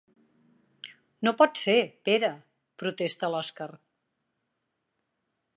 No pot ser, Pere —protesta l'Òskar—.